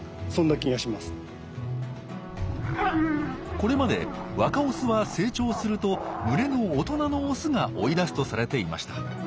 これまで若オスは成長すると群れの大人のオスが追い出すとされていました。